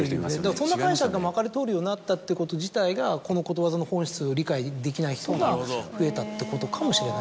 そんな解釈がまかり通るようになったということ自体がこのことわざの本質を理解できない人が増えたってことかもしれない。